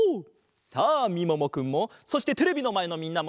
さあみももくんもそしてテレビのまえのみんなもいっしょに！